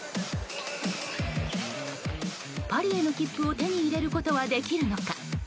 パリへの切符を手に入れることはできるのか。